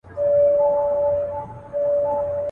له کتابه یې سر پورته کړ اسمان ته.